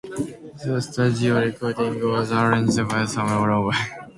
The studio recording was arranged by Sammy Lowe.